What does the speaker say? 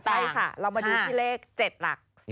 ใช่ค่ะเรามาดูที่เลข๗หลัก๔